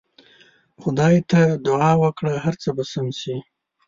خدای ته دعا وکړه هر څه به سم سي.